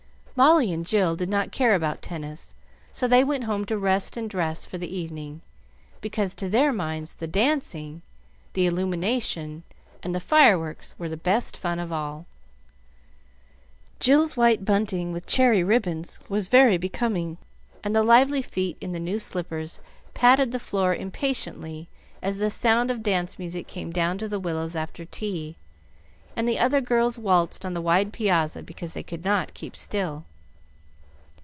Molly and Jill did not care about tennis, so they went home to rest and dress for the evening, because to their minds the dancing, the illumination, and the fireworks were the best fun of all. Jill's white bunting with cherry ribbons was very becoming, and the lively feet in the new slippers patted the floor impatiently as the sound of dance music came down to the Willows after tea, and the other girls waltzed on the wide piazza because they could not keep still.